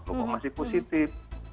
kok masih positif